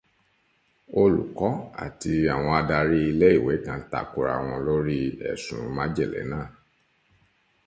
Olùkọ́ àti àwọn adarí iléèwé kan takorawọn lórí ẹ̀sùn májèlé náà